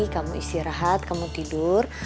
kamu istirahat kamu tidur